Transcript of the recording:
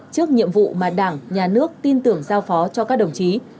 trước nhiệm vụ mà đảng nhà nước tin tưởng giao phó cho các đồng chí